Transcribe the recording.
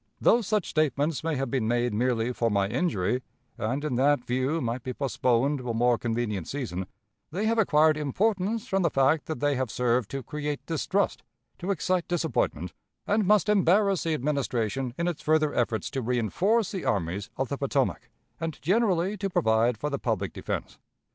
Though such statements may have been made merely for my injury, and in that view might be postponed to a more convenient season, they have acquired importance from the fact that they have served to create distrust, to excite disappointment, and must embarrass the Administration in its further efforts to reënforce the armies of the Potomac, and generally to provide for the public defense.